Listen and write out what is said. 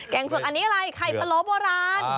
งเผือกอันนี้อะไรไข่พะโลโบราณ